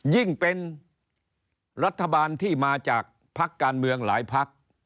ยิ่งเป็นรัฐบาลที่มาจากพักการเมืองหลายพัก